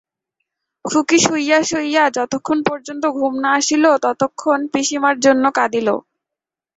খুকী শুইয়া শুইয়া যতক্ষণ পর্যন্ত ঘুম না আসিল, ততক্ষণ পিসিমার জন্য কাঁদিল।